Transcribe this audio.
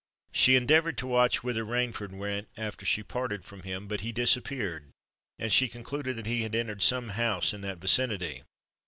She endeavoured to watch whither Rainford went, after she parted from him; but he disappeared, and she concluded that he had entered some house in that vicinity.